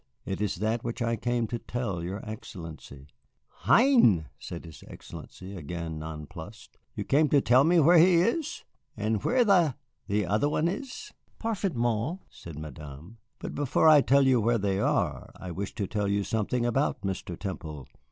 It is that which I came to tell your Excellency." "Hein!" said his Excellency, again nonplussed. "You came to tell me where he is? And where the the other one is?" "Parfaitement," said Madame. "But before I tell you where they are, I wish to tell you something about Mr. Temple."